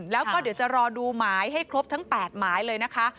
แล้วก็เดี๋ยวจะรอดูหมายให้ครบทั้ง๘หมายเลยนะคะ